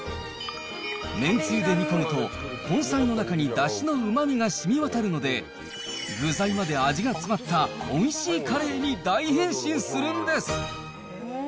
めんつゆで煮込むと、根菜の中にだしのうまみがしみ渡るので、具材まで味が詰まったおいしいカレーに大変身するんです。